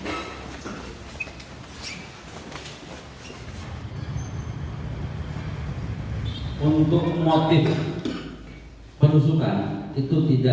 jalan ahmad yani jawa tengah sementara berdasarkan pelaku penusukan